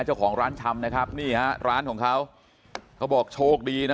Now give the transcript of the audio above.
เจ้าของร้านชำนะครับนี่ฮะร้านของเขาเขาบอกโชคดีนะ